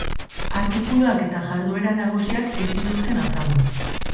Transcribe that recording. Artikuluak eta jarduera nagusiak ez zituzten azaldu.